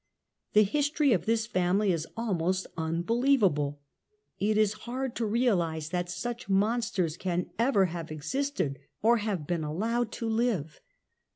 The history of this family is almost unbelievable; it is hard'^to realise that such monsters can ever have existed or have 188 THE END OF THE MIDDLE AGE been allowed to live.